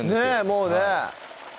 もうね